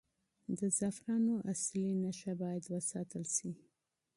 د زعفرانو اصلي نښه باید وساتل شي.